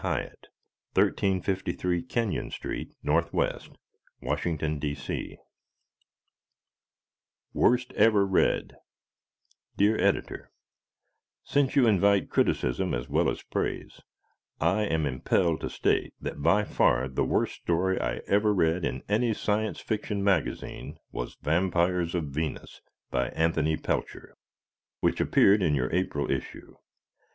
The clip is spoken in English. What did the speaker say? Hyatt, 1353 Kenyon St., N. W., Washington D. C. "Worst Ever Read" Dear Editor: Since you invite criticism as well as praise, I am impelled to state that by far the worst story I ever read in any Science Fiction magazine was "Vampires of Venus," by Anthony Pelcher, which appeared in your April issue.